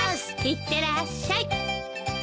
いってらっしゃい。